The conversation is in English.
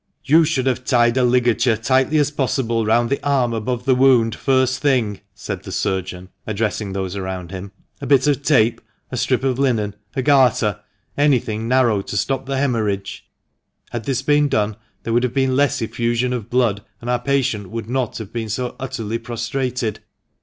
"You should have tied a ligature tightly as possible round the arm above the wound, first thing," said the surgeon, addressing those around him —" a bit of tape, a strip of linen, a garter — any thing narrow to stop the haemorrhage. Had this been done, there would have been less effusion of blood, and our patient would not have been so utterly prostrated."